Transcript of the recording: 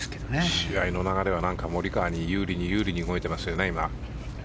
試合の流れはモリカワに有利に有利に動いてますよね。